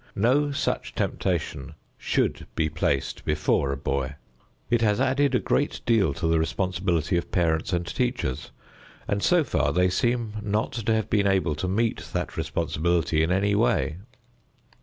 No such temptation should be placed before a boy. It has added a great deal to the responsibility of parents and teachers, and so far they seem not to have been able to meet that responsibility in any way.